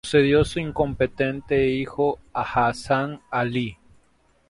Le sucedió su incompetente hijo Hasan Ali.